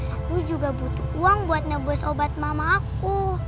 aku juga butuh uang buat ngebuas obat mamah aku